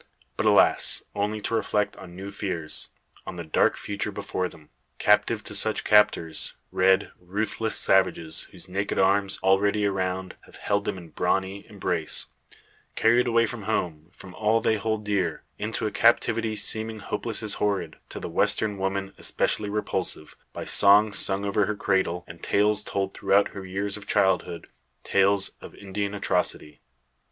But, alas! only to reflect on new fears on the dark future before them. Captive to such captors red ruthless savages, whose naked arms, already around, have held them in brawny embrace carried away from home, from all they hold dear, into a captivity seeming hopeless as horrid to the western woman especially repulsive, by songs sung over her cradle, and tales told throughout her years of childhood tales of Indian atrocity.